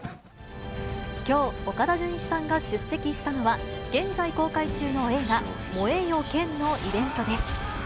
きょう、岡田准一さんが出席したのは、現在公開中の映画、燃えよ剣のイベントです。